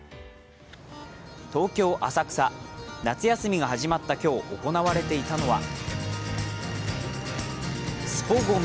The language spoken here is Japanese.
東京・浅草、夏休みが始まった今日、行われていたのはスポＧＯＭＩ。